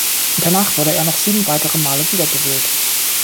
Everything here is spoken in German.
Danach wurde er noch sieben weitere Male wiedergewählt.